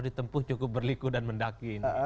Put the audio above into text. ditempuh cukup berliku dan mendaki